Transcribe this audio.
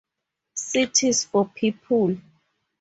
Cities for People!